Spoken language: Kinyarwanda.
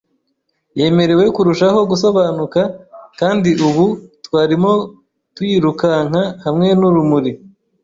yemerewe kurushaho gusobanuka - kandi ubu twarimo tuyirukanka hamwe nurumuri